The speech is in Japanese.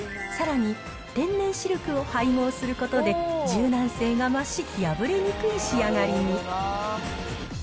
さらに、天然シルクを配合することで、柔軟性が増し、破れにくい仕上がりに。